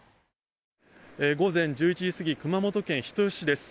午前１１時過ぎ熊本県人吉市です。